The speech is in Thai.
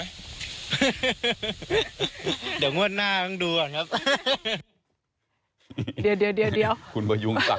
เดี๋ยวงวดหน้าต้องดูก่อนครับ